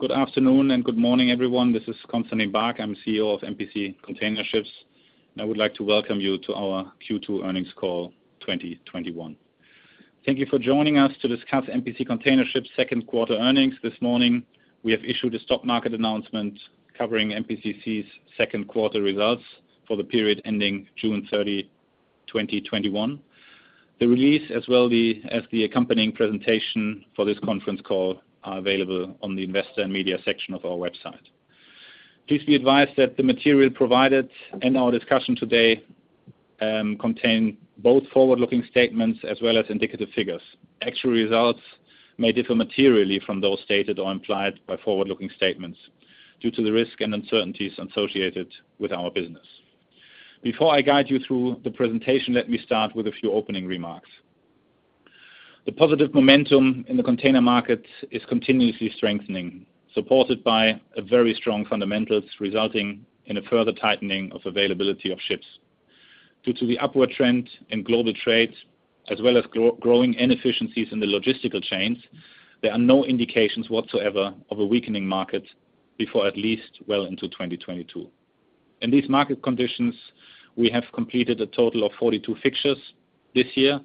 Good afternoon and good morning, everyone. This is Constantin Baack. I'm CEO of MPC Container Ships. I would like to welcome you to our Q2 Earnings Call 2021. Thank you for joining us to discuss MPC Container Ships second quarter earnings this morning. We have issued a stock market announcement covering MPCC's second quarter results for the period ending June 30, 2021. The release, as well as the accompanying presentation for this conference call, are available on the investor and media section of our website. Please be advised that the material provided in our discussion today contain both forward-looking statements as well as indicative figures. Actual results may differ materially from those stated or implied by forward-looking statements due to the risk and uncertainties associated with our business. Before I guide you through the presentation, let me start with a few opening remarks. The positive momentum in the container market is continuously strengthening, supported by very strong fundamentals, resulting in a further tightening of availability of ships. Due to the upward trend in global trade, as well as growing inefficiencies in the logistical chains, there are no indications whatsoever of a weakening market before at least well into 2022. In these market conditions, we have completed a total of 42 fixtures this year,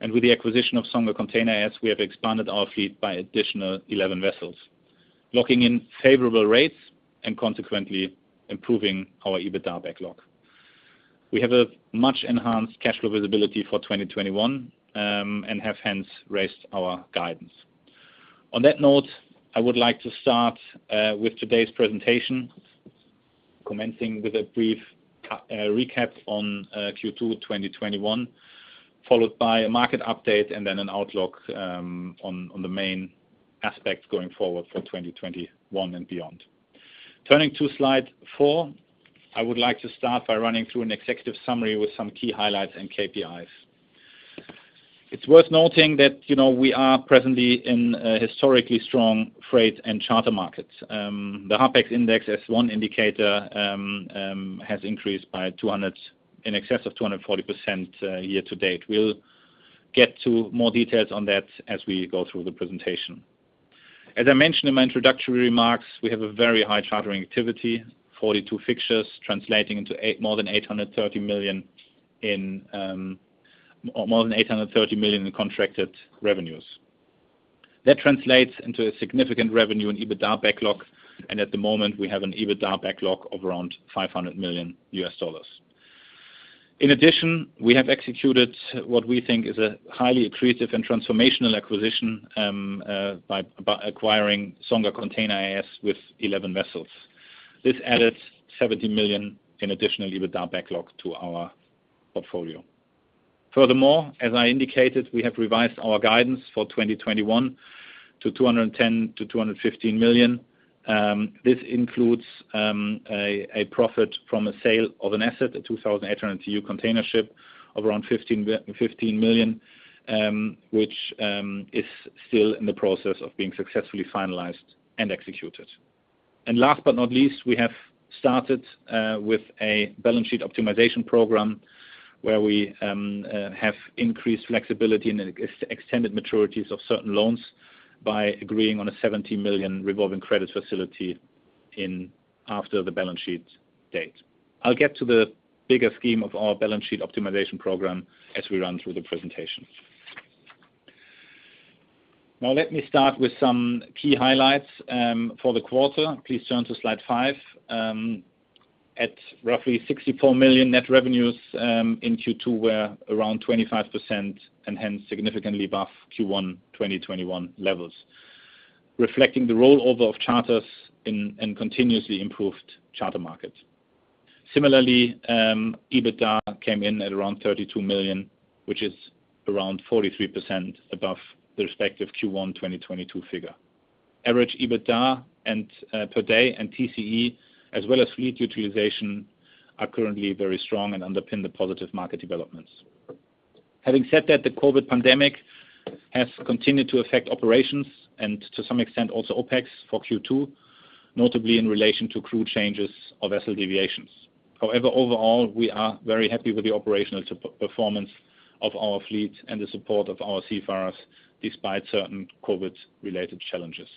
and with the acquisition of Songa Container, as we have expanded our fleet by additional 11 vessels, locking in favorable rates and consequently improving our EBITDA backlog. We have a much enhanced cash flow visibility for 2021, and have hence raised our guidance. On that note, I would like to start with today's presentation, commencing with a brief recap on Q2 2021, followed by a market update and then an outlook on the main aspects going forward for 2021 and beyond. Turning to slide four, I would like to start by running through an executive summary with some key highlights and KPIs. It's worth noting that we are presently in historically strong freight and charter markets. The Harpex as one indicator, has increased in excess of 240% year-to-date. We'll get to more details on that as we go through the presentation. As I mentioned in my introductory remarks, we have a very high chartering activity, 42 fixtures translating into more than $830 million in contracted revenues. That translates into a significant revenue in EBITDA backlog, and at the moment, we have an EBITDA backlog of around $500 million. In addition, we have executed what we think is a highly accretive and transformational acquisition, by acquiring Songa Container AS with 11 vessels. This added $70 million in additional EBITDA backlog to our portfolio. As I indicated, we have revised our guidance for 2021 to $210 million-215 million. This includes a profit from a sale of an asset, a 2,800 TEU container ship of around $15 million, which is still in the process of being successfully finalized and executed. Last but not least, we have started with a balance sheet optimization program where we have increased flexibility and extended maturities of certain loans by agreeing on a $70 million revolving credit facility after the balance sheet date. I'll get to the bigger scheme of our balance sheet optimization program as we run through the presentation. Let me start with some key highlights for the quarter. Please turn to slide five. At roughly $64 million net revenues in Q2 were around 25% and hence significantly above Q1 2021 levels, reflecting the rollover of charters and continuously improved charter markets. Similarly, EBITDA came in at around $32 million, which is around 43% above the respective Q1 2022 figure. Average EBITDA per day and TCE, as well as fleet utilization, are currently very strong and underpin the positive market developments. Having said that, the COVID pandemic has continued to affect operations and to some extent, also OpEx for Q2, notably in relation to crew changes of vessel deviations. However, overall, we are very happy with the operational performance of our fleet and the support of our seafarers despite certain COVID related challenges.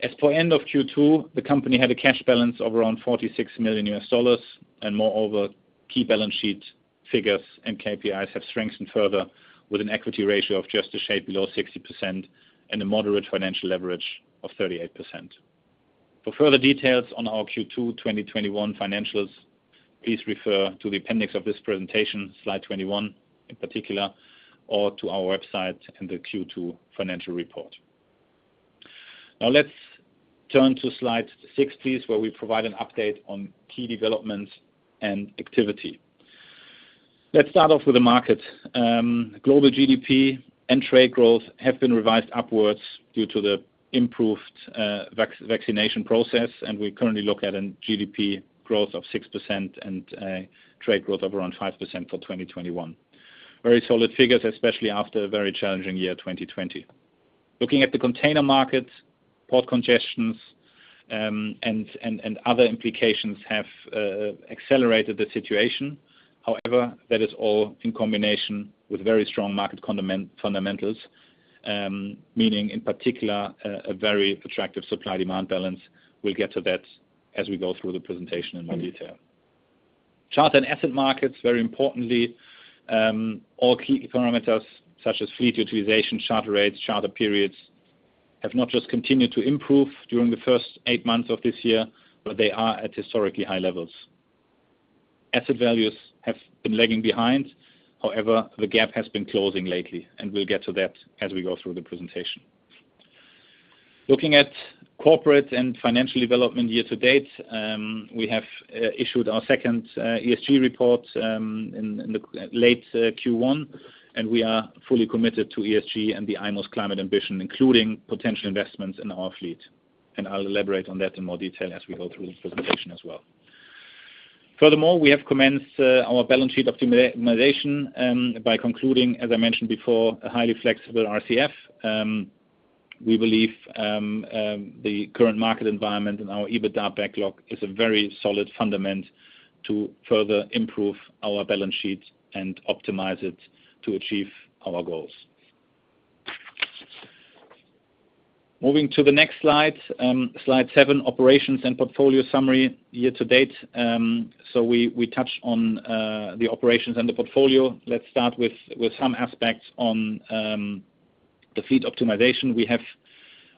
As for end of Q2, the company had a cash balance of around $46 million, Moreover, key balance sheet figures and KPIs have strengthened further with an equity ratio of just a shade below 60% and a moderate financial leverage of 38%. For further details on our Q2 2021 financials, please refer to the appendix of this presentation, slide 21 in particular, or to our website in the Q2 financial report. Let's turn to slide six please, where we provide an update on key developments and activity. Let's start off with the market. Global GDP and trade growth have been revised upwards due to the improved vaccination process. We currently look at a GDP growth of 6% and a trade growth of around 5% for 2021. Very solid figures, especially after a very challenging year 2020. Looking at the container markets, port congestions and other implications have accelerated the situation. That is all in combination with very strong market fundamentals, meaning, in particular, a very attractive supply-demand balance. We'll get to that as we go through the presentation in more detail. Charter and asset markets, very importantly, all key parameters, such as fleet utilization, charter rates, charter periods, have not just continued to improve during the first eight months of this year, but they are at historically high levels. Asset values have been lagging behind. The gap has been closing lately, and we'll get to that as we go through the presentation. Looking at corporate and financial development year-to-date, we have issued our two ESG report in the late Q1, and we are fully committed to ESG and the IMO's climate ambition, including potential investments in our fleet. I'll elaborate on that in more detail as we go through the presentation as well. Furthermore, we have commenced our balance sheet optimization by concluding, as I mentioned before, a highly flexible RCF. We believe the current market environment and our EBITDA backlog is a very solid fundament to further improve our balance sheet and optimize it to achieve our goals. Moving to the next slide, slide seven, operations and portfolio summary year-to-date. We touched on the operations and the portfolio. Let's start with some aspects on the fleet optimization. We have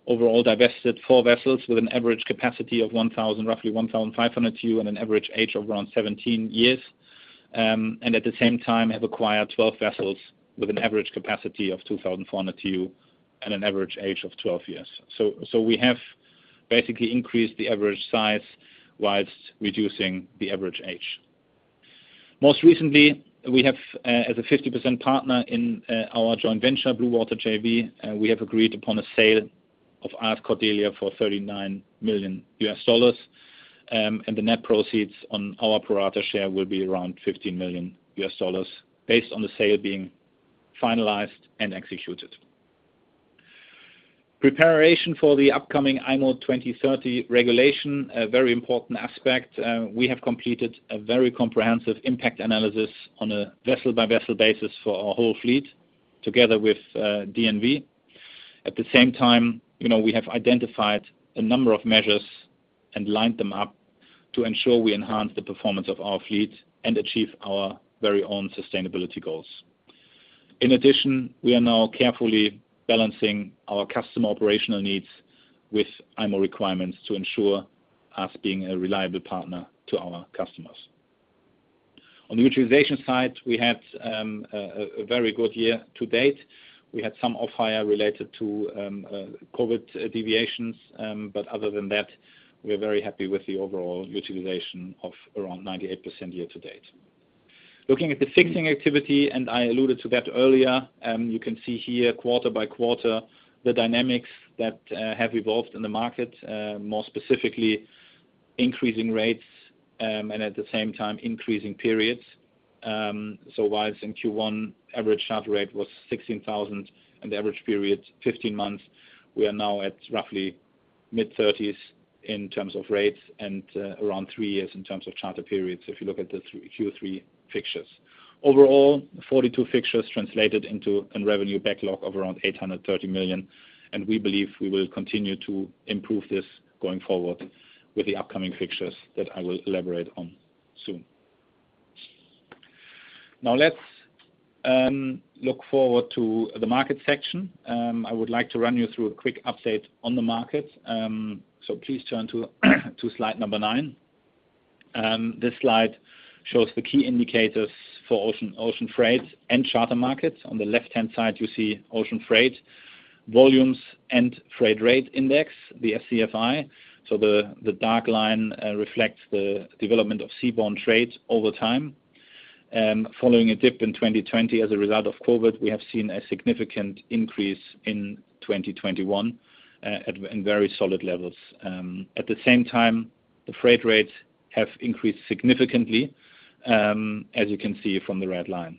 overall divested four vessels with an average capacity of 1000, roughly 1,500 TEU and an average age of around 17 years. At the same time, have acquired 12 vessels with an average capacity of 2,400 TEU and an average age of 12 years. We have basically increased the average size whilst reducing the average age. Most recently, we have, as a 50% partner in our joint venture, Bluewater JV, we have agreed upon a sale of AS Cordelia for $39 million, and the net proceeds on our pro rata share will be around $15 million, based on the sale being finalized and executed. Preparation for the upcoming IMO 2030 regulation, a very important aspect. We have completed a very comprehensive impact analysis on a vessel-by-vessel basis for our whole fleet, together with DNB. At the same time, we have identified a number of measures and lined them up to ensure we enhance the performance of our fleet and achieve our very own sustainability goals. In addition, we are now carefully balancing our customer operational needs with IMO requirements to ensure us being a reliable partner to our customers. On the utilization side, we had a very good year-to-date. We had some off-hire related to COVID deviations. But other than that, we are very happy with the overall utilization of around 98% year-to-date. Looking at the fixing activity, I alluded to that earlier, you can see here quarter-by-quarter, the dynamics that have evolved in the market. More specifically, increasing rates, at the same time, increasing periods. Whilst in Q1, average charter rate was $16,000 and the average period 15 months, we are now at roughly mid-30s in terms of rates, and around three years in terms of charter periods if you look at the Q3 fixtures. Overall, 42 fixtures translated into a revenue backlog of around $830 million. We believe we will continue to improve this going forward with the upcoming fixtures that I will elaborate on soon. Let's look forward to the market section. I would like to run you through a quick update on the market. Please turn to slide number nine. This slide shows the key indicators for ocean freight and charter markets. On the left-hand side, you see ocean freight, volumes and freight rate index, the SCFI. The dark line reflects the development of seaborne trades over time. Following a dip in 2020 as a result of COVID, we have seen a significant increase in 2021 at very solid levels. At the same time, the freight rates have increased significantly, as you can see from the red line.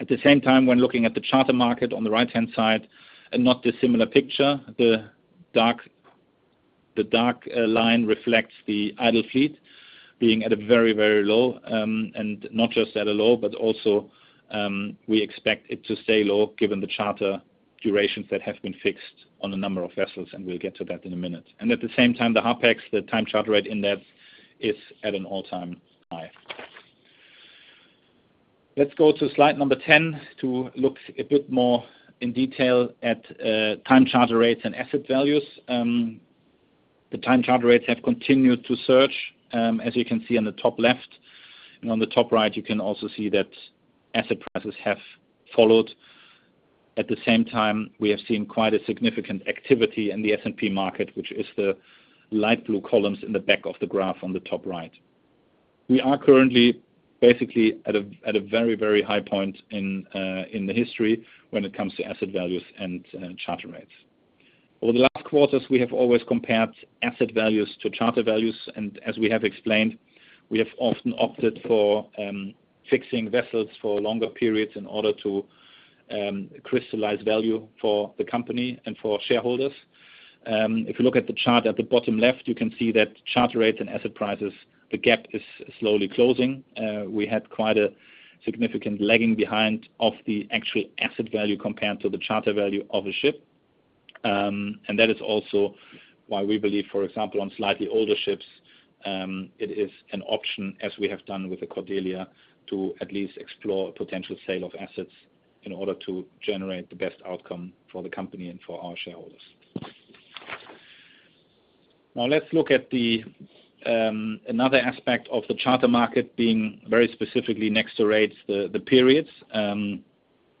At the same time, when looking at the charter market on the right-hand side, not the similar picture. The dark line reflects the idle fleet being at a very low, and not just at a low, but also, we expect it to stay low given the charter durations that have been fixed on a number of vessels, and we'll get to that in a minute. At the same time, the HARPEX, the time charter rate index, is at an all-time high. Let's go to slide number 10 to look a bit more in detail at time charter rates and asset values. The time charter rates have continued to surge, as you can see on the top left. On the top right, you can also see that asset prices have followed. At the same time, we have seen quite a significant activity in the S&P market, which is the light blue columns in the back of the graph on the top right. We are currently, basically, at a very high point in the history when it comes to asset values and charter rates. Over the last quarters, we have always compared asset values to charter values, and as we have explained, we have often opted for fixing vessels for longer periods in order to crystallize value for the company and for shareholders. If you look at the chart at the bottom left, you can see that charter rates and asset prices, the gap is slowly closing. We had quite a significant lagging behind of the actual asset value compared to the charter value of a ship. That is also why we believe, for example, on slightly older ships, it is an option, as we have done with the Cordelia, to at least explore a potential sale of assets in order to generate the best outcome for the company and for our shareholders. Now let's look at another aspect of the charter market being very specifically next to rates, the periods.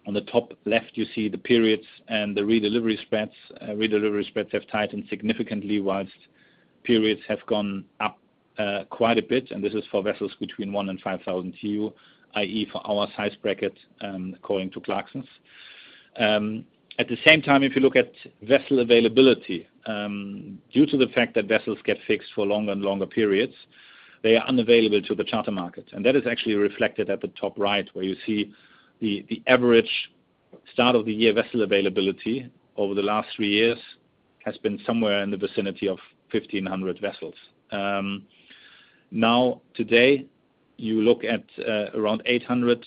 On the top left, you see the periods and the redelivery spreads. Redelivery spreads have tightened significantly, whilst periods have gone up quite a bit. This is for vessels between one and 5,000 TEU, i.e., for our size bracket, according to Clarksons. At the same time, if you look at vessel availability, due to the fact that vessels get fixed for longer and longer periods, they are unavailable to the charter market. That is actually reflected at the top right where you see the average start of the year vessel availability over the last three years has been somewhere in the vicinity of 1,500 vessels. Now, today, you look at around 800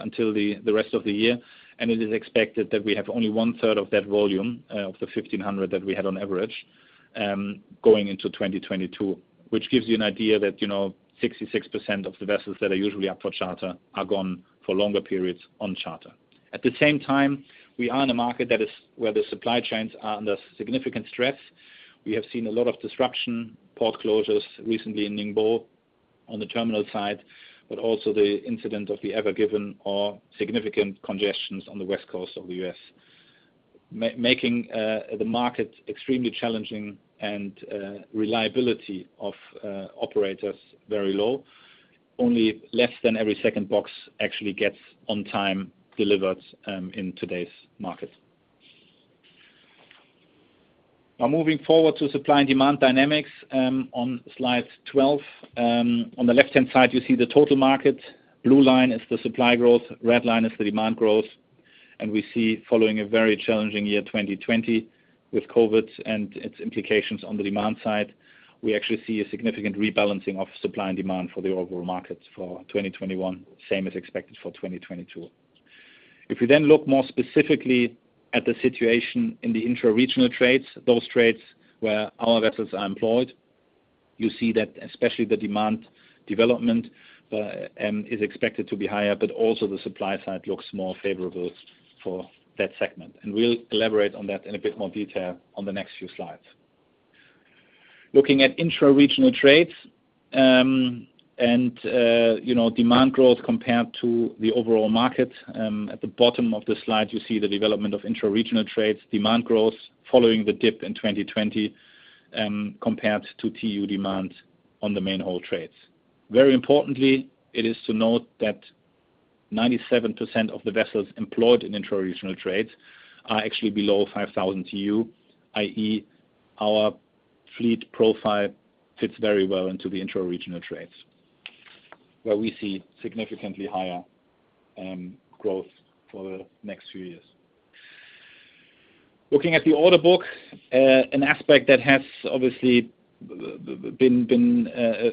until the rest of the year, and it is expected that we have only 1/3 of that volume, of the 1,500 that we had on average, going into 2022. Which gives you an idea that 66% of the vessels that are usually up for charter are gone for longer periods on charter. At the same time, we are in a market where the supply chains are under significant stress. We have seen a lot of disruption, port closures recently in Ningbo on the terminal side, but also the incident of the Ever Given or significant congestions on the West Coast of the U.S., making the market extremely challenging and reliability of operators very low. Only less than every second box actually gets on time delivered in today's market. Moving forward to supply and demand dynamics on slide 12. On the left-hand side, you see the total market. Blue line is the supply growth, red line is the demand growth. We see following a very challenging year 2020 with COVID and its implications on the demand side, we actually see a significant rebalancing of supply and demand for the overall market for 2021, same as expected for 2022. We look more specifically at the situation in the intra-regional trades, those trades where our vessels are employed, you see that especially the demand development is expected to be higher, but also the supply side looks more favorable for that segment. We will elaborate on that in a bit more detail on the next few slides. Looking at intra-regional trades, and demand growth compared to the overall market, at the bottom of the slide, you see the development of intra-regional trades, demand growth following the dip in 2020 compared to TEU demand on the main haul trades. Very importantly, it is to note that 97% of the vessels employed in intra-regional trades are actually below 5,000 TEU, i.e., our fleet profile fits very well into the intra-regional trades, where we see significantly higher growth for the next few years. Looking at the orderbook, an aspect that has obviously been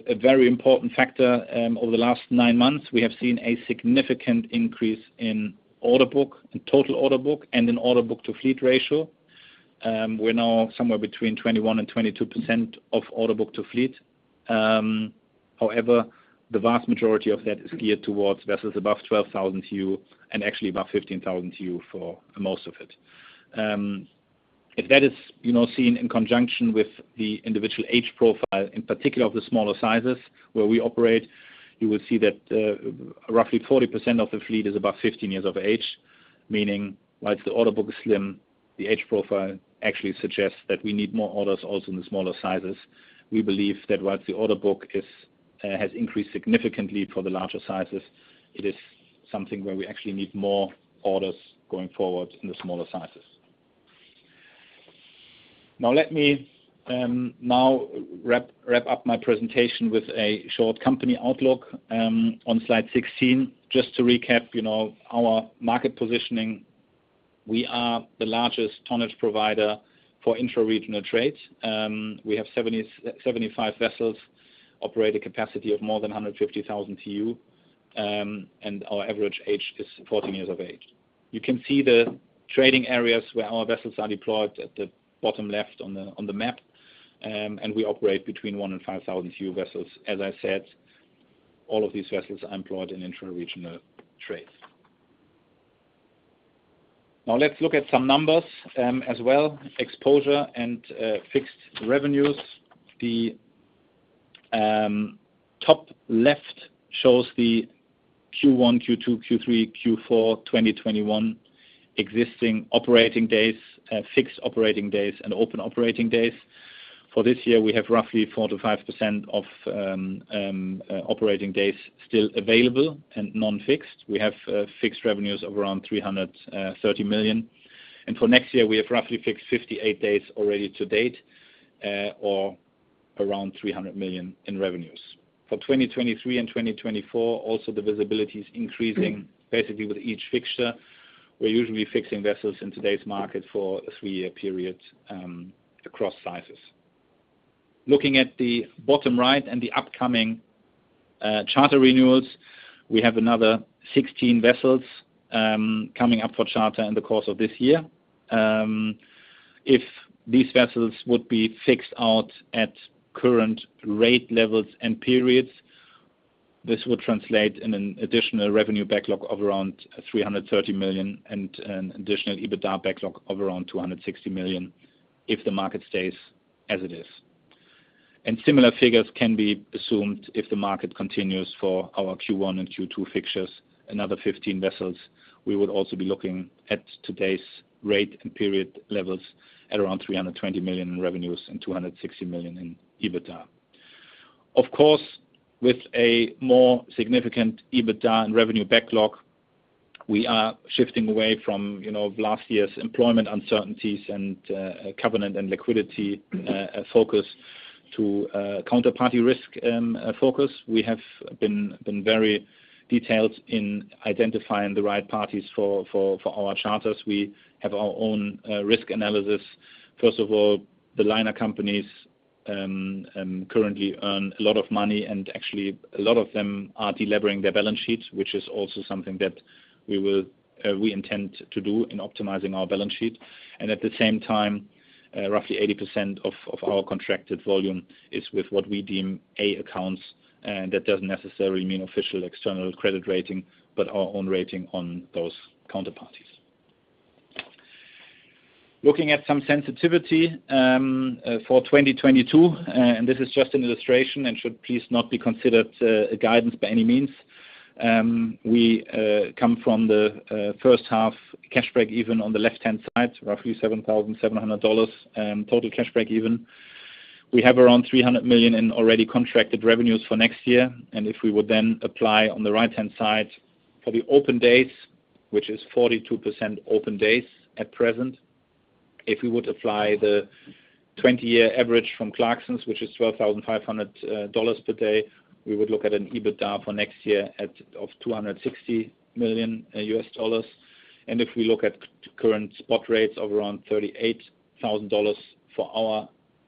a very important factor over the last nine months, we have seen a significant increase in orderbook, in total orderbook, and in orderbook to fleet ratio. We're now somewhere between 21% and 22% of orderbook-to-fleet. However, the vast majority of that is geared towards vessels above 12,000 TEU and actually above 15,000 TEU for most of it. If that is seen in conjunction with the individual age profile, in particular of the smaller sizes where we operate, you will see that roughly 40% of the fleet is above 15 years of age, meaning whilst the orderbook is slim, the age profile actually suggests that we need more orders also in the smaller sizes. We believe that whilst the orderbook has increased significantly for the larger sizes, it is something where we actually need more orders going forward in the smaller sizes. Now let me now wrap up my presentation with a short company outlook. On slide 16, just to recap our market positioning, we are the largest tonnage provider for intra-regional trades. We have 75 vessels operate a capacity of more than 150,000 TEU, our average age is 14 years of age. You can see the trading areas where our vessels are deployed at the bottom left on the map, we operate between one and 5,000 TEU vessels. As I said, all of these vessels are employed in intra-regional trades. Let's look at some numbers as well, exposure and fixed revenues. The top left shows the Q1, Q2, Q3, Q4 2021 existing operating days, fixed operating days, and open operating days. For this year, we have roughly 4 to 5% of operating days still available and non-fixed. We have fixed revenues of around $330 million. For next year, we have roughly fixed 58 days already to date, or around $300 million in revenues. For 2023 and 2024, the visibility is increasing basically with each fixture. We're usually fixing vessels in today's market for a three-year period across sizes. Looking at the bottom right and the upcoming charter renewals, we have another 16 vessels coming up for charter in the course of this year. If these vessels would be fixed out at current rate levels and periods, this would translate in an additional revenue backlog of around $330 million and an additional EBITDA backlog of around $260 million if the market stays as it is. Similar figures can be assumed if the market continues for our Q1 and Q2 fixtures, another 15 vessels. We would also be looking at today's rate and period levels at around $320 million in revenues and 260 million in EBITDA. Of course, with a more significant EBITDA and revenue backlog, we are shifting away from last year's employment uncertainties and covenant and liquidity focus to counterparty risk and focus. We have been very detailed in identifying the right parties for our charters. We have our own risk analysis. The liner companies currently earn a lot of money, and actually, a lot of them are delevering their balance sheets, which is also something that we intend to do in optimizing our balance sheet. Roughly 80% of our contracted volume is with what we deem A accounts. That doesn't necessarily mean official external credit rating, but our own rating on those counterparties. Looking at some sensitivity for 2022, this is just an illustration and should please not be considered a guidance by any means. We come from the first half cash break even on the left-hand side, roughly $7,700 total cash break even. We have around $300 million in already contracted revenues for next year. If we would then apply on the right-hand side for the open days, which is 42% open days at present, if we would apply the 20-year average from Clarksons, which is $12,500 per day, we would look at an EBITDA for next year of $260 million. If we look at current spot rates of around $38,000 for our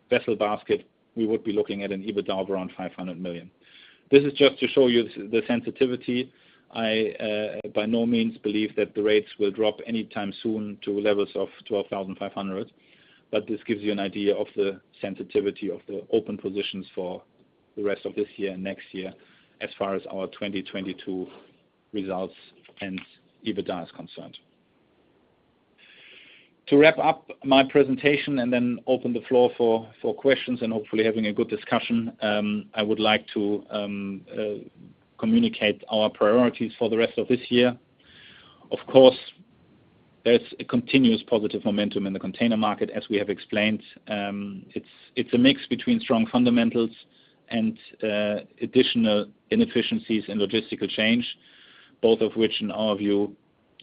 vessel basket, we would be looking at an EBITDA of around $500 million. This is just to show you the sensitivity. I, by no means, believe that the rates will drop anytime soon to levels of $12,500. This gives you an idea of the sensitivity of the open positions for the rest of this year and next year as far as our 2022 results and EBITDA is concerned. To wrap up my presentation and then open the floor for questions and hopefully having a good discussion, I would like to communicate our priorities for the rest of this year. Of course, there's a continuous positive momentum in the container market, as we have explained. It's a mix between strong fundamentals and additional inefficiencies in logistical chain, both of which in our view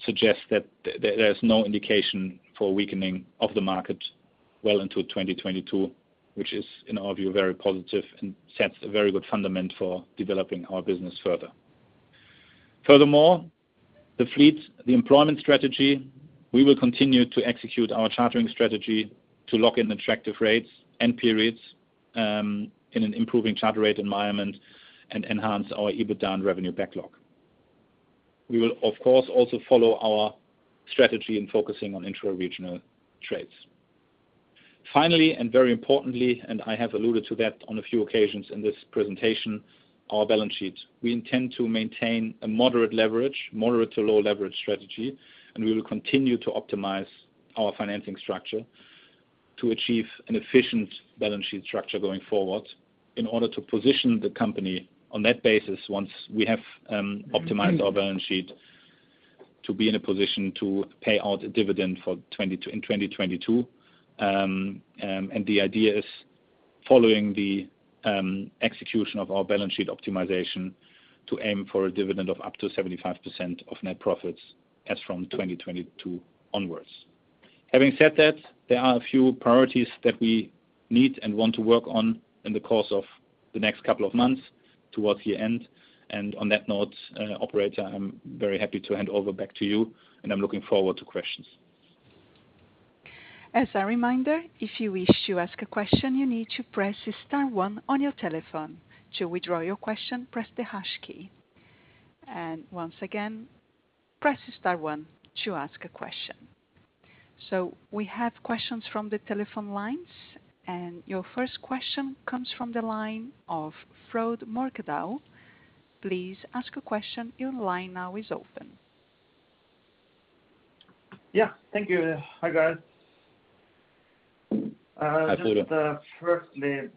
suggest that there is no indication for weakening of the market well into 2022, which is, in our view, very positive and sets a very good fundament for developing our business further. Furthermore, the fleet, the employment strategy, we will continue to execute our chartering strategy to lock in attractive rates and periods in an improving charter rate environment and enhance our EBITDA and revenue backlog. We will, of course, also follow our strategy in focusing on intra-regional trades. Finally, very importantly, and I have alluded to that on a few occasions in this presentation, our balance sheets. We intend to maintain a moderate to low leverage strategy, and we will continue to optimize our financing structure to achieve an efficient balance sheet structure going forward in order to position the company on that basis once we have optimized our balance sheet to be in a position to pay out a dividend in 2022. The idea is following the execution of our balance sheet optimization to aim for a dividend of up to 75% of net profits as from 2022 onwards. Having said that, there are a few priorities that we need and want to work on in the course of the next couple of months towards the end. On that note, operator, I'm very happy to hand over back to you, and I'm looking forward to questions. As a reminder, if you wish to ask a question, you need to press star one on your telephone. To withdraw your question, press the hash key. Once again, press star one to ask a question. We have questions from the telephone lines, and your first question comes from the line of Frode Mørkedal. Please ask a question. Your line now is open. Yeah. Thank you. Hi, guys. Hi, Frode. Just firstly,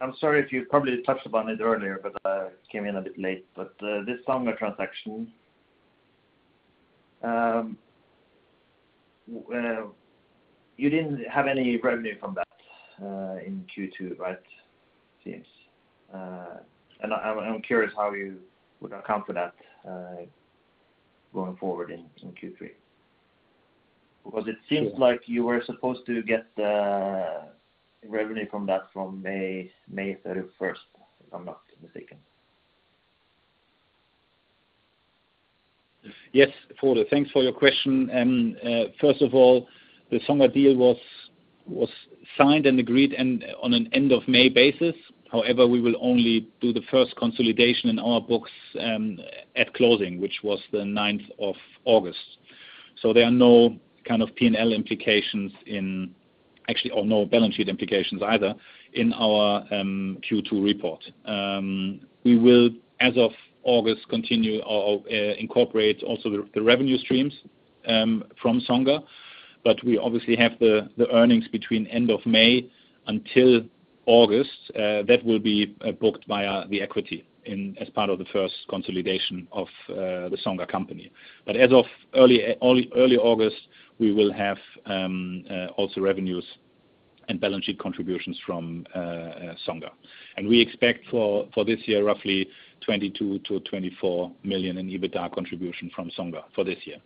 I'm sorry if you probably touched upon it earlier. I came in a bit late. This Songa transaction, you didn't have any revenue from that in Q2, right? It seems. I'm curious how you would account for that going forward in Q3. It seems like you were supposed to get the revenue from that from May 31st, if I'm not mistaken. Yes, Frode. Thanks for your question. First of all, the Songa deal was signed and agreed on an end of May basis. We will only do the first consolidation in our books at closing, which was the 9th of August. There are no P&L implications, actually or no balance sheet implications either, in our Q2 report. We will, as of August, continue or incorporate also the revenue streams from Songa, we obviously have the earnings between end of May until August, that will be booked via the equity as part of the first consolidation of the Songa company. As of early August, we will have also revenues and balance sheet contributions from Songa. We expect for this year, roughly $22 million-24 million in EBITDA contribution from Songa for this year.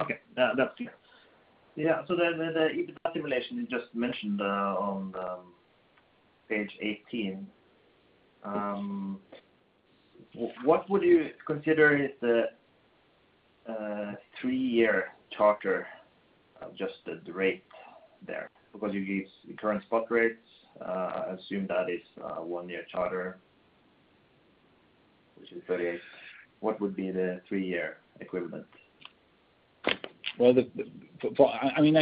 Okay. That's clear. Yeah. The EBITDA simulation you just mentioned on page 18. What would you consider is the three-year charter, just the rate there? You give the current spot rates. I assume that is a one-year charter, which is 38. What would be the three-year equivalent? I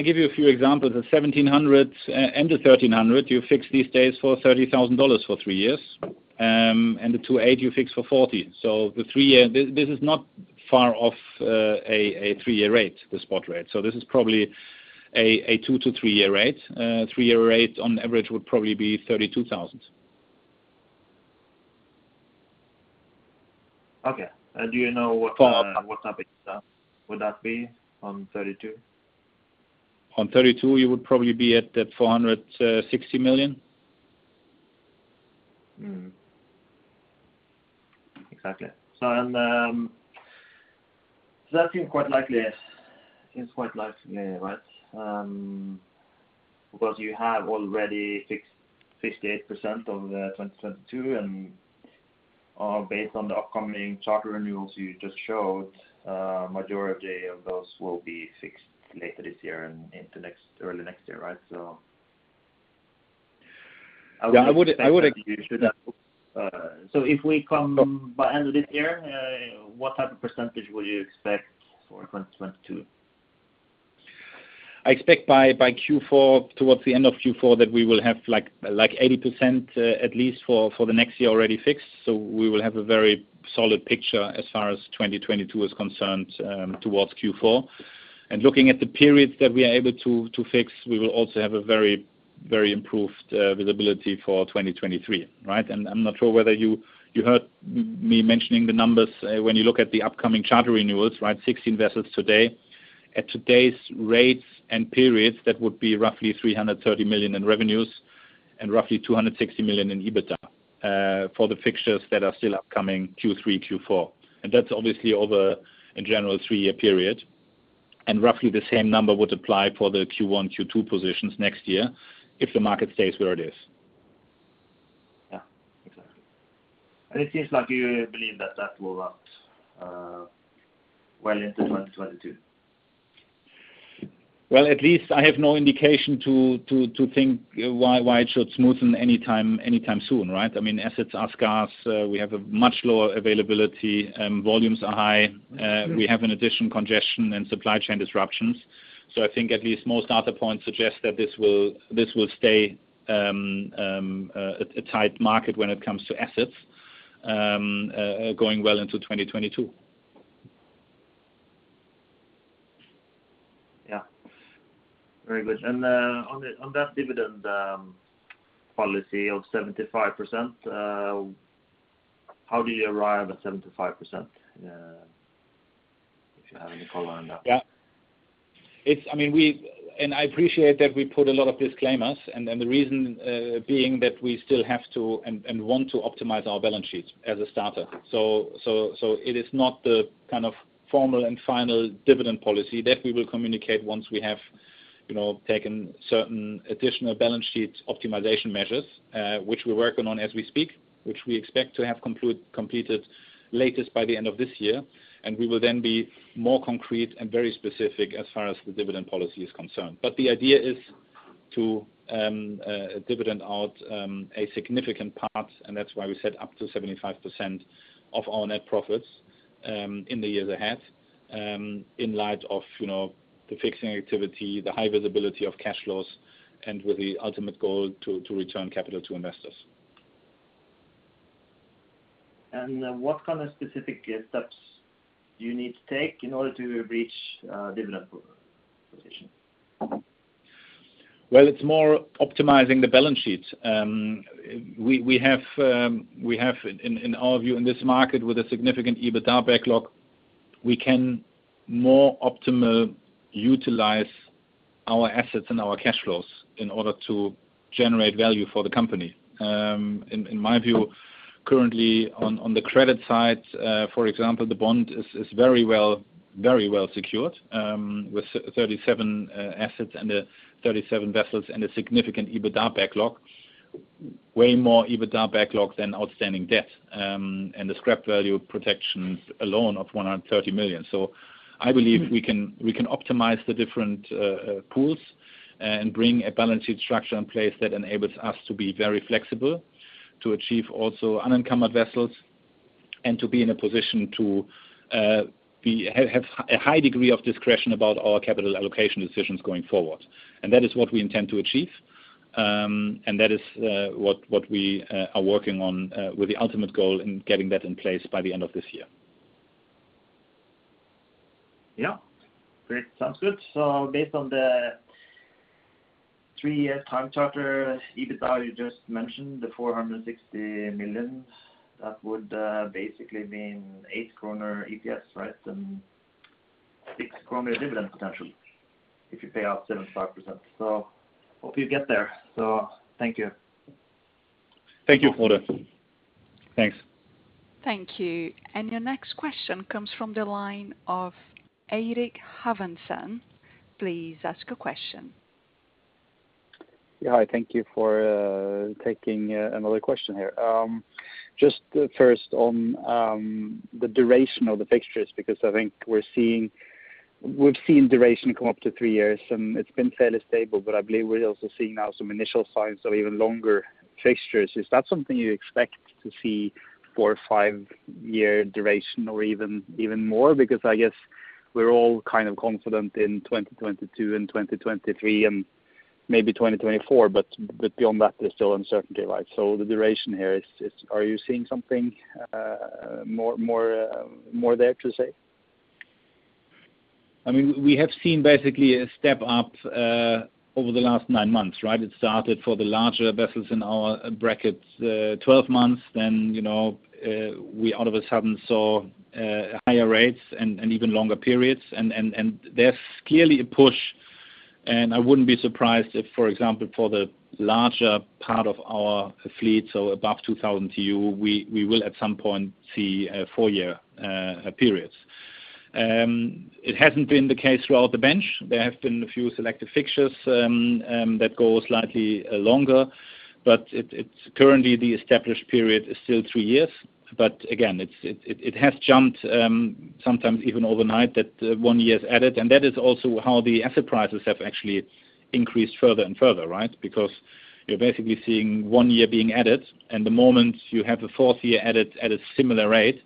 give you a few examples. The 1,700 and the 1,300, you fixed these days for $30,000 for three years. The 280 you fixed for $40,000. The three-year, this is not far off a three-year rate, the spot rate. This is probably a two to three-year rate. three-year rate on average would probably be $32,000. Okay. Do you know what type would that be on $32,000 On $32,000, you would probably be at that $460 million. Exactly. That seems quite likely. It seems quite likely, right? You have already fixed 58% of 2022, and based on the upcoming charter renewals you just showed, majority of those will be fixed later this year and into early next year, right? Yeah. You should have those. If we come by end of this year, what type of percentage would you expect for 2022? I expect by Q4, towards the end of Q4, that we will have 80% at least for the next year already fixed. We will have a very solid picture as far as 2022 is concerned, towards Q4. Looking at the periods that we are able to fix, we will also have a very improved visibility for 2023, right? I'm not sure whether you heard me mentioning the numbers, when you look at the upcoming charter renewals, 16 vessels today. At today's rates and periods, that would be roughly $330 million in revenues and roughly $260 million in EBITDA, for the fixtures that are still upcoming Q3, Q4. That's obviously over a general three-year period. Roughly the same number would apply for the Q1, Q2 positions next year if the market stays where it is. Yeah, exactly. It seems like you believe that that will last well into 2022? Well, at least I have no indication to think why it should smoothen anytime soon, right? Assets are scarce. We have a much lower availability. Volumes are high. We have an additional congestion and supply chain disruptions. I think at least most data points suggest that this will stay a tight market when it comes to assets, going well into 2022. Yeah. Very good. On that dividend policy of 75%, how do you arrive at 75%? If you have any color on that. Yeah. I appreciate that we put a lot of disclaimers, the reason being that we still have to, and want to optimize our balance sheets as a starter. It is not the kind of formal and final dividend policy. That we will communicate once we have taken certain additional balance sheets optimization measures, which we're working on as we speak, which we expect to have completed latest by the end of this year. We will then be more concrete and very specific as far as the dividend policy is concerned. The idea is to dividend out a significant part, and that's why we said up to 75% of our net profits in the years ahead, in light of the fixing activity, the high visibility of cash flows, and with the ultimate goal to return capital to investors. What kind of specific get-ups do you need to take in order to reach dividend position? Well, it's more optimizing the balance sheet. We have, in our view, in this market with a significant EBITDA backlog. We can more optimal utilize our assets and our cash flows in order to generate value for the company. In my view, currently on the credit side, for example, the bond is very well secured with 37 assets and the 37 vessels and a significant EBITDA backlog, way more EBITDA backlog than outstanding debt, and the scrap value protections alone of $130 million. I believe we can optimize the different pools and bring a balance sheet structure in place that enables us to be very flexible, to achieve also unencumbered vessels, and to be in a position to have a high degree of discretion about our capital allocation decisions going forward. And, that is what we intend to achieve, and that is what we are working on with the ultimate goal in getting that in place by the end of this year. Yeah. Great. Sounds good. Based on the three-year time charter, EBITDA you just mentioned, the 460 million, that would basically mean 8 kroner EPS, right? 6 kroner dividend potential if you pay out 75%. Hope you get there. Thank you. Thank you, Frode. Thanks. Thank you. Your next question comes from the line of Eirik Haavaldsen. Please ask your question. Yeah, hi, thank you for taking another question here. Just first on the duration of the fixtures, because I think we've seen duration come up to three years, and it's been fairly stable, but I believe we are also seeing now some initial signs of even longer fixtures. Is that something you expect to see four or five-year duration or even more? I guess we are all kind of confident in 2022 and 2023 and maybe 2024, but beyond that, there's still uncertainty, right? The duration here, are you seeing something more there to say? I mean, we have seen basically a step up over the last nine months, right? It started for the larger vessels in our brackets, 12 months, then we all of a sudden saw higher rates and even longer periods, and there is clearly a push, and I wouldn't be surprised if, for example, for the larger part of our fleet, so above 2,000 TEU, we will at some point see four-year periods. It hasn't been the case throughout the bench. There have been a few selected fixtures that go slightly longer, but currently the established period is still three years. Again, it has jumped sometimes even overnight that one year is added, and that is also how the asset prices have actually increased further and further, right? Because you are basically seeing one year being added, and the moment you have a fourth year added at a similar rate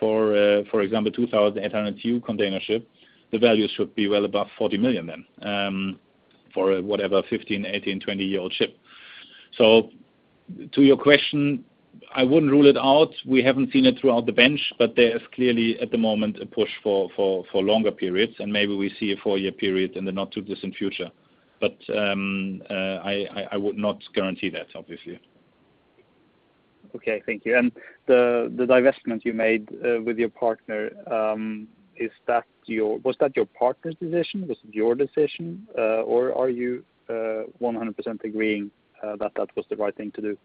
for example, 2,800 TEU container ship, the value should be well above $40 million then, for whatever, 15, 18, 20-year-old ship. To your question, I wouldn't rule it out. We haven't seen it throughout the bench, there is clearly at the moment a push for longer periods, and maybe we see a four-year period in the not too distant future, I would not guarantee that, obviously. Okay, thank you. The divestment you made with your partner, was that your partner's decision, was it your decision, or are you 100% agreeing that that was the right thing to do?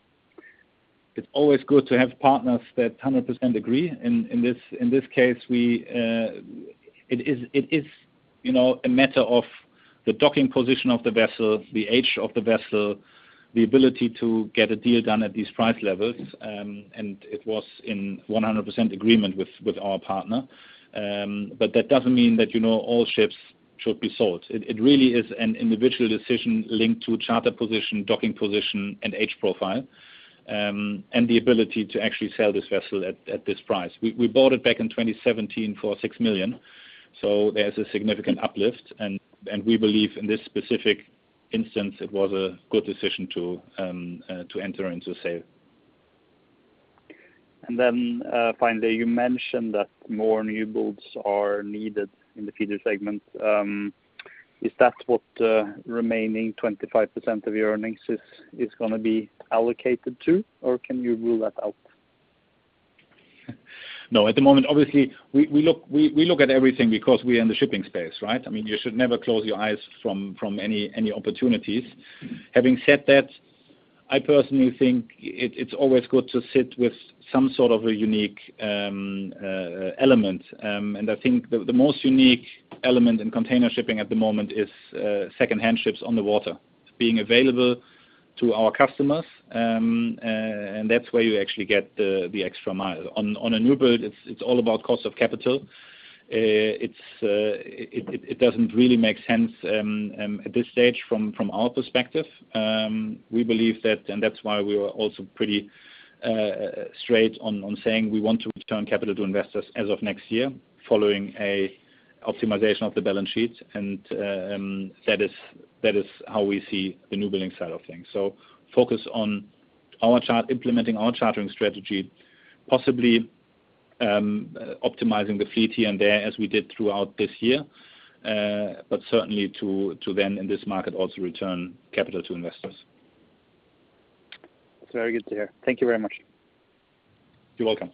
It's always good to have partners that 100% agree. In this case, it is a matter of the docking position of the vessel, the age of the vessel, the ability to get a deal done at these price levels. It was in 100% agreement with our partner. That doesn't mean that all ships should be sold. It really is an individual decision linked to charter position, docking position, and age profile, and the ability to actually sell this vessel at this price. We bought it back in 2017 for $6 million, so there's a significant uplift, and we believe in this specific instance it was a good decision to enter into sale. Finally, you mentioned that more new builds are needed in the feeder segment. Is that what remaining 25% of your earnings is going to be allocated to, or can you rule that out? No. At the moment, obviously, we look at everything because we are in the shipping space, right? You should never close your eyes from any opportunities. Having said that, I personally think it's always good to sit with some sort of a unique element. I think the most unique element in container shipping at the moment is second-hand ships on the water being available to our customers. That's where you actually get the extra mile. On a new build, it's all about cost of capital. It doesn't really make sense at this stage from our perspective. We believe that, and that's why we were also pretty straight on saying we want to return capital to investors as of next year following an optimization of the balance sheet, and that is how we see the new building side of things. Focus on implementing our chartering strategy, possibly optimizing the fleet here and there as we did throughout this year. Certainly to then in this market also return capital to investors. That's very good to hear. Thank you very much. You're welcome.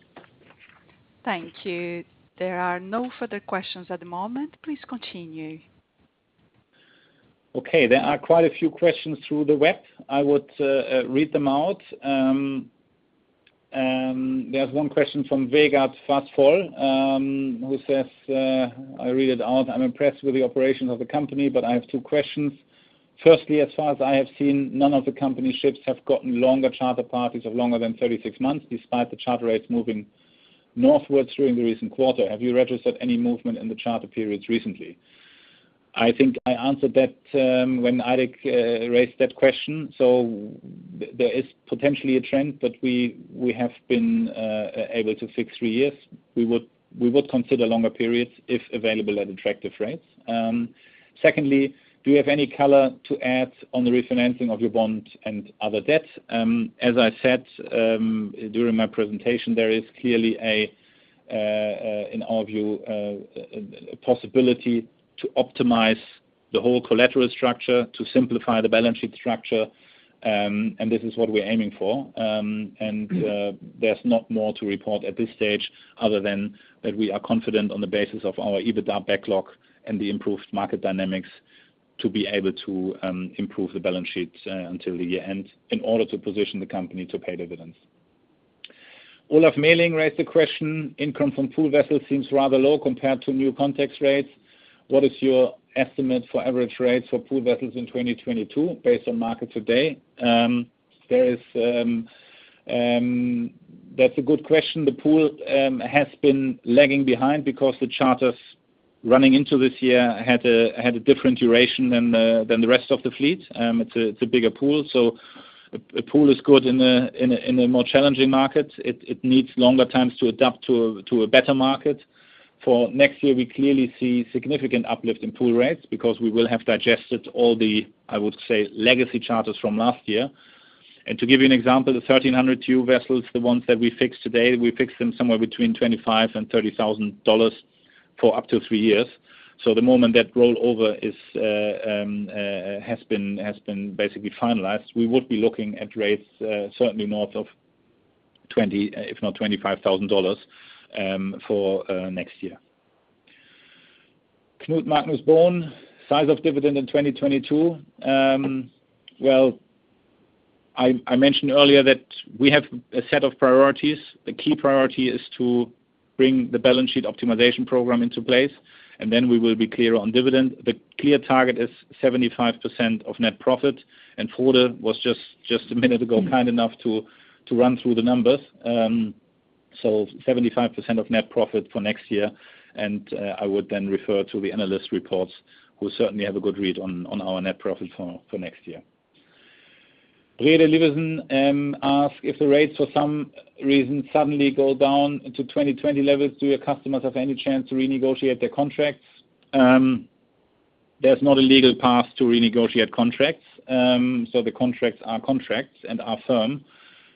Thank you. There are no further questions at the moment. Please continue. Okay. There are quite a few questions through the web. I would read them out. There's one question from Vegard, [inaudible] who says, I read it out: "I'm impressed with the operation of the company, but I have two questions. Firstly, as far as I have seen, none of the company ships have gotten longer charter parties of longer than 36 months, despite the charter rates moving northwards during the recent quarter. Have you registered any movement in the charter periods recently?" I think I answered that when Eirik raised that question. There is potentially a trend that we have been able to fix three years. We would consider longer periods if available at attractive rates. Secondly, do you have any color to add on the refinancing of your bond and other debts? As I said during my presentation, there is clearly, in our view, a possibility to optimize the whole collateral structure to simplify the balance sheet structure, and this is what we are aiming for. There's not more to report at this stage other than that we are confident on the basis of our EBITDA backlog and the improved market dynamics to be able to improve the balance sheet until the year-end in order to position the company to pay dividends. Olaf Melling raised the question: "Income from pool vessels seems rather low compared to new context rates. What is your estimate for average rates for pool vessels in 2022 based on market today?" That's a good question. The pool has been lagging behind because the charters running into this year had a different duration than the rest of the fleet. It's a bigger pool. A pool is good in a more challenging market. It needs longer times to adapt to a better market. For next year, we clearly see significant uplift in pool rates because we will have digested all the, I would say, legacy charters from last year. To give you an example, the 1,302 vessels, the ones that we fixed today, we fixed them somewhere between $25,000 and 30,000 for up to three years. The moment that rollover has been basically finalized, we would be looking at rates certainly north of $20,000, if not 25,000, for next year. Knut Magnus Born: "Size of dividend in 2022?" Well, I mentioned earlier that we have a set of priorities. The key priority is to bring the balance sheet optimization program into place, then we will be clear on dividend. The clear target is 75% of net profit, and Frode was just a minute ago kind enough to run through the numbers. 75% of net profit for next year, and I would then refer to the analyst reports who certainly have a good read on our net profit for next year. Brede Livelsen asks, "If the rates for some reason suddenly go down to 2020 levels, do your customers have any chance to renegotiate their contracts?" There's not a legal path to renegotiate contracts. The contracts are contracts and are firm.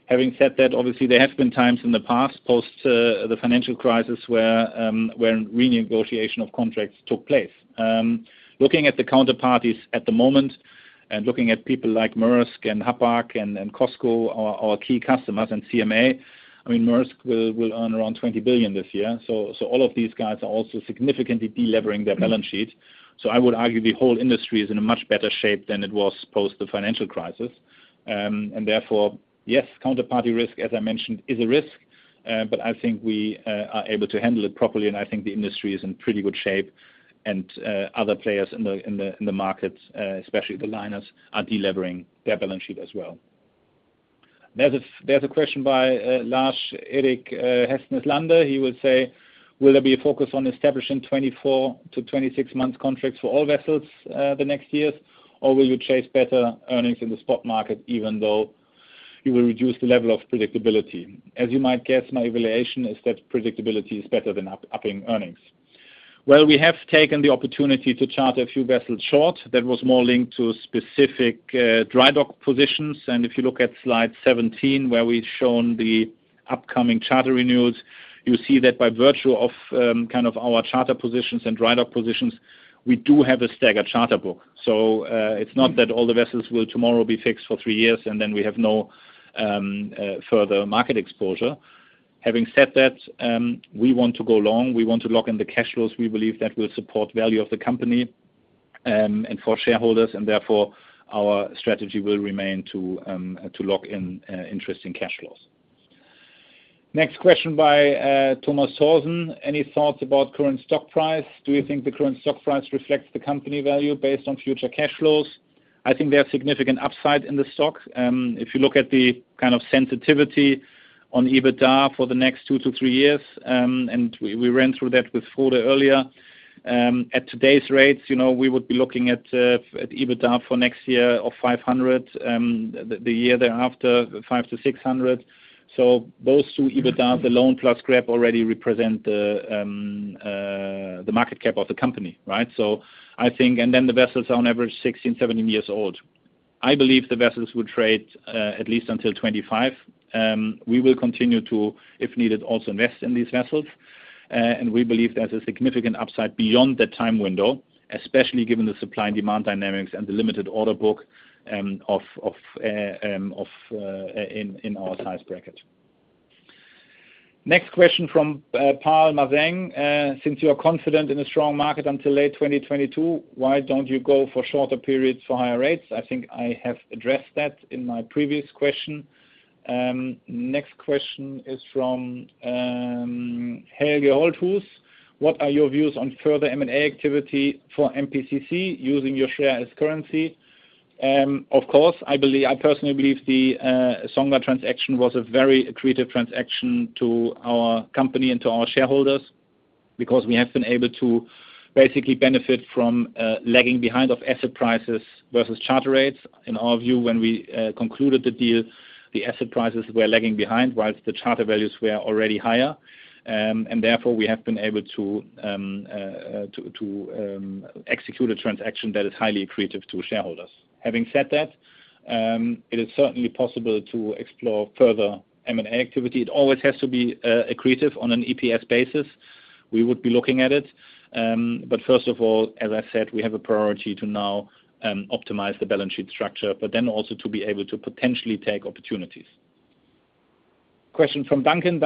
Having said that, obviously, there have been times in the past, post the financial crisis, where renegotiation of contracts took place. Looking at the counterparties at the moment and looking at people like Maersk and Hapag and COSCO, our key customers, and CMA, I mean, Maersk will earn around $20 billion this year. All of these guys are also significantly de-levering their balance sheet. I would argue the whole industry is in a much better shape than it was post the financial crisis. Therefore, yes, counterparty risk, as I mentioned, is a risk. I think we are able to handle it properly, and I think the industry is in pretty good shape, and other players in the market, especially the liners, are de-levering their balance sheet as well. There's a question by Lars Erik Hestnes-Lande. He would say, "Will there be a focus on establishing 24-26 months contracts for all vessels the next years, or will you chase better earnings in the spot market even though you will reduce the level of predictability?" As you might guess, my evaluation is that predictability is better than upping earnings. We have taken the opportunity to charter a few vessels short that was more linked to specific dry dock positions. If you look at slide 17, where we've shown the upcoming charter renewals, you see that by virtue of our charter positions and dry dock positions, we do have a staggered charter book. It's not that all the vessels will tomorrow be fixed for three years, and then we have no further market exposure. Having said that, we want to go long. We want to lock in the cash flows we believe that will support value of the company and for shareholders, and therefore our strategy will remain to lock in interesting cash flows. Next question by Thomas Torgersen: "Any thoughts about current stock price? Do you think the current stock price reflects the company value based on future cash flows?" I think there are significant upside in the stock. If you look at the kind of sensitivity on EBITDA for the next two to three years, we ran through that with Frode earlier. At today's rates, we would be looking at EBITDA for next year of $500, the year thereafter, $500-600. Those two EBITDA, the loan plus scrap already represent the market cap of the company, right? The vessels are on average 16, 17 years old. I believe the vessels will trade at least until 2025. We will continue to, if needed, also invest in these vessels. We believe there's a significant upside beyond that time window, especially given the supply and demand dynamics and the limited orderbook in our size bracket. Next question from Paul Mazeng. "Since you are confident in a strong market until late 2022, why don't you go for shorter periods for higher rates?" I think I have addressed that in my previous question. Next question is from Helge Holthus. "What are your views on further M&A activity for MPCC using your share as currency?" Of course, I personally believe the Songa transaction was a very accretive transaction to our company and to our shareholders, because we have been able to basically benefit from lagging behind of asset prices versus charter rates. In our view, when we concluded the deal, the asset prices were lagging behind whilst the charter values were already higher. Therefore, we have been able to execute a transaction that is highly accretive to shareholders. Having said that, it is certainly possible to explore further M&A activity. It always has to be accretive on an EPS basis. We would be looking at it. First of all, as I said, we have a priority to now optimize the balance sheet structure, but then also to be able to potentially take opportunities. Question from Duncan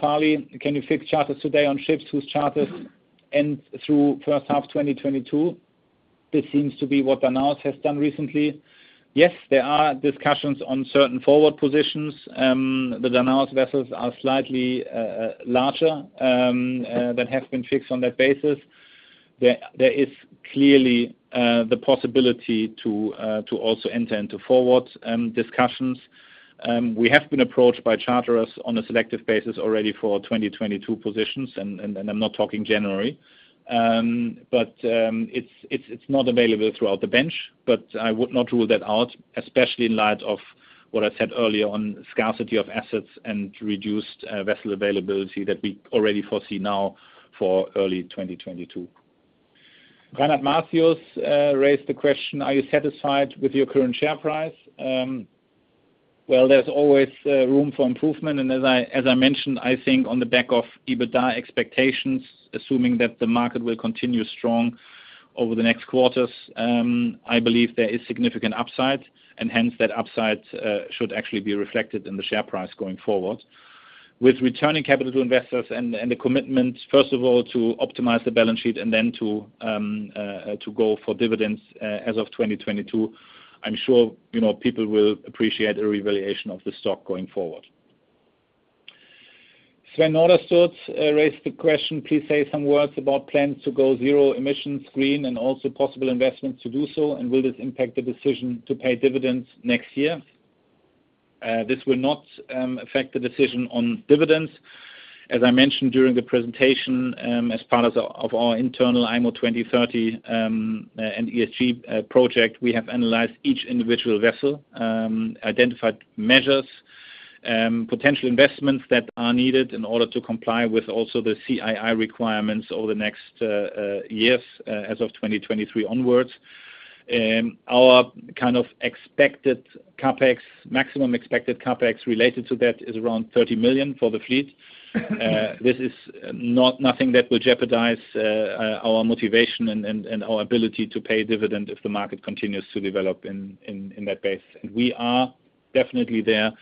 Farley, "Can you fix charters today on ships whose charters end through first half 2022? This seems to be what Danaos has done recently." Yes, there are discussions on certain forward positions. The Danaos vessels are slightly larger, that have been fixed on that basis. There is clearly the possibility to also enter into forward discussions. We have been approached by charterers on a selective basis already for 2022 positions, and I'm not talking January. It's not available throughout the bench, but I would not rule that out, especially in light of what I said earlier on scarcity of assets and reduced vessel availability that we already foresee now for early 2022. Reinhard Mathew raised the question, "Are you satisfied with your current share price?" Well, there's always room for improvement, as I mentioned, I think on the back of EBITDA expectations, assuming that the market will continue strong over the next quarters, I believe there is significant upside. Hence, that upside should actually be reflected in the share price going forward. With returning capital to investors and the commitment, first of all, to optimize the balance sheet and then to go for dividends as of 2022, I'm sure people will appreciate a revaluation of the stock going forward. Sven, Norderstedt raised the question, "Please say some words about plans to go zero emissions green and also possible investments to do so, and will this impact the decision to pay dividends next year?" This will not affect the decision on dividends. As I mentioned during the presentation, as part of our internal IMO 2030 and ESG project, we have analyzed each individual vessel, identified measures, potential investments that are needed in order to comply with also the CII requirements over the next years, as of 2023 onwards. Our maximum expected CapEx related to that is around $30 million for the fleet. This is nothing that will jeopardize our motivation and our ability to pay dividend if the market continues to develop in that base. We are definitely there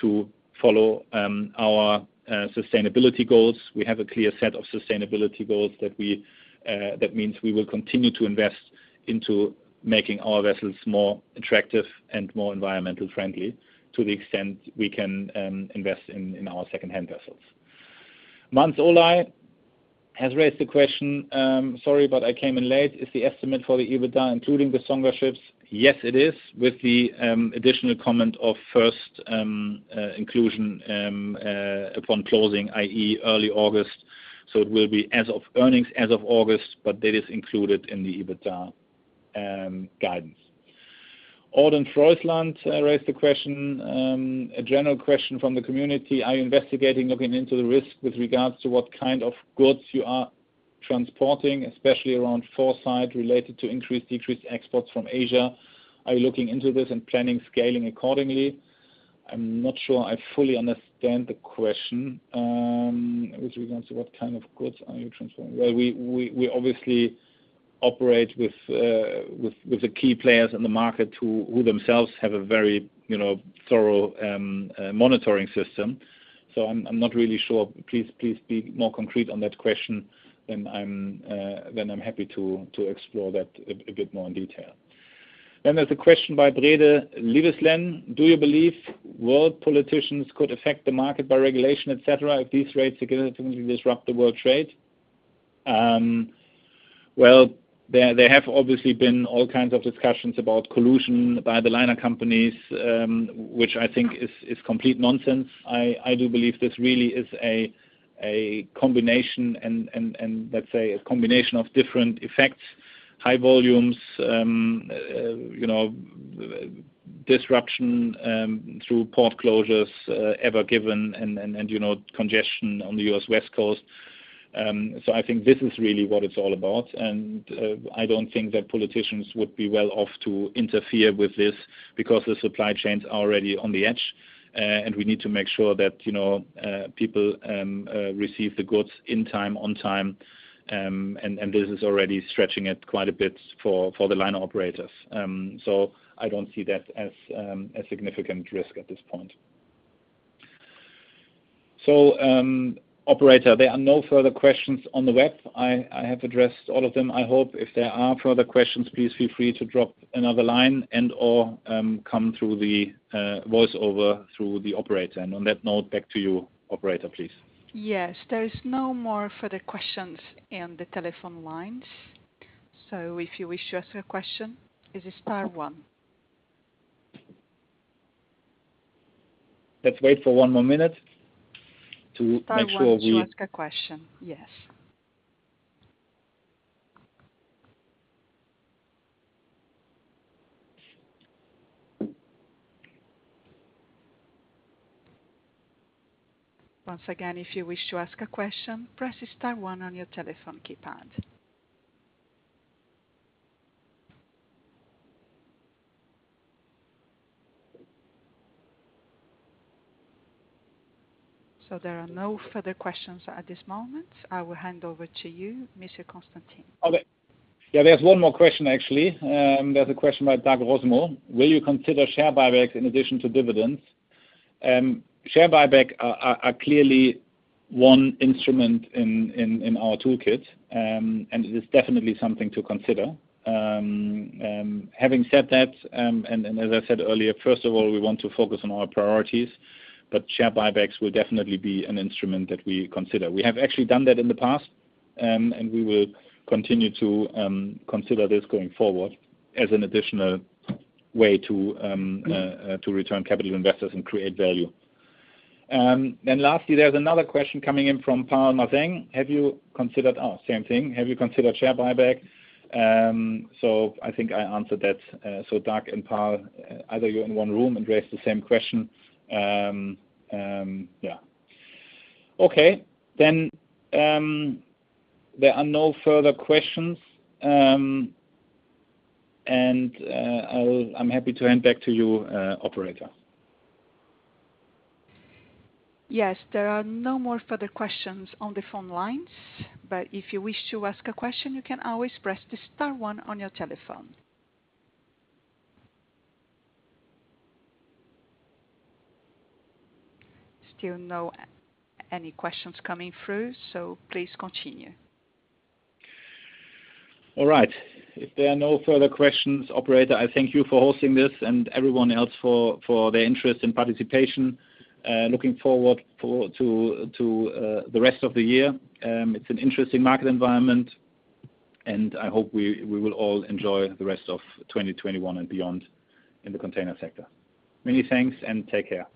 to follow our sustainability goals. We have a clear set of sustainability goals. That means we will continue to invest into making our vessels more attractive and more environmental friendly to the extent we can invest in our secondhand vessels. Mans Olai has raised the question, "Sorry, but I came in late. Is the estimate for the EBITDA including the Songa ships?" Yes, it is, with the additional comment of first inclusion upon closing, i.e., early August. It will be as of earnings as of August, but that is included in the EBITDA guidance. Audun Frøysland raised a general question from the community. "Are you investigating looking into the risk with regards to what kind of goods you are transporting, especially around foresight related to increased, decreased exports from Asia? Are you looking into this and planning scaling accordingly?" I'm not sure I fully understand the question. With regards to what kind of goods are you transporting? Well, we obviously operate with the key players in the market who themselves have a very thorough monitoring system. So, I'm not really sure. Please be more concrete on that question, I'm happy to explore that a bit more in detail. There's a question by, [inaudible] "Do you believe world politicians could affect the market by regulation, et cetera, if these rates are going to disrupt the world trade?" There have obviously been all kinds of discussions about collusion by the liner companies, which I think is complete nonsense. I do believe this really is a combination of different effects, high volumes, disruption through port closures Ever Given, and congestion on the U.S. West Coast. I think this is really what it's all about, and I don't think that politicians would be well off to interfere with this, because the supply chains are already on the edge. We need to make sure that people receive the goods in time, on time, and this is already stretching it quite a bit for the liner operators. I don't see that as a significant risk at this point. Operator, there are no further questions on the web. I have addressed all of them, I hope. If there are further questions, please feel free to drop another line and/or come through the voiceover through the operator. On that note, back to you, Operator, please. Yes. There is no more further questions in the telephone lines. If you wish to ask a question, it is star one. Let's wait for one more minute to make sure. Star one to ask a question. Yes. Once again, if you wish to ask a question, press star one on your telephone keypad. There are no further questions at this moment. I will hand over to you, Mr. Constantin. Okay. Yeah, there's one more question, actually. There's a question by Doug Rosemore. Will you consider share buybacks in addition to dividends? Share buyback are clearly one instrument in our toolkit, and it is definitely something to consider. Having said that, and as I said earlier, first of all, we want to focus on our priorities, but share buybacks will definitely be an instrument that we consider. We have actually done that in the past, and we will continue to consider this going forward as an additional way to return capital investors and create value. Lastly, there's another question coming in from Paul Mazeng. Same thing. Have you considered share buyback? I think I answered that. Doug and Paul, either you're in one room and raised the same question. Yeah. Okay. There are no further questions, and I'm happy to hand back to you, operator. Yes, there are no more further questions on the phone lines. If you wish to ask a question, you can always press the star one on your telephone. Still no any questions coming through, so please continue. All right. If there are no further questions, Operator, I thank you for hosting this and everyone else for their interest and participation. Looking forward to the rest of the year. It's an interesting market environment, and I hope we will all enjoy the rest of 2021 and beyond in the container sector. Many thanks and take care.